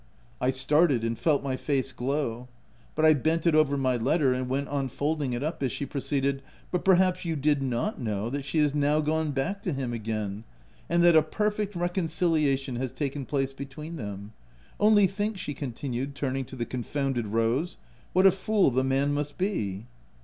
I started, and felt my face glow ; but I bent it over my letter, and went on folding it up as she proceeded, u but perhaps you did not know that she is now gone back to him again, and that a perfect reconciliation has taken place between them? Only think," she continued, turning to the confounded Rose, u what a fool the man must be